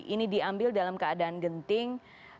ini diambil dalam keadaan genting